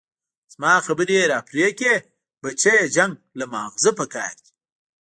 زما خبرې يې راپرې كړې بچيه جنګ له مازغه پكار دي.